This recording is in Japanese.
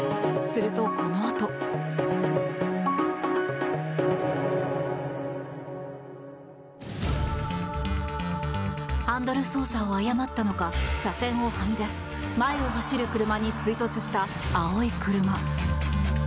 すると、このあと。ハンドル操作を誤ったのか車線をはみ出し前を走る車に追突した青い車。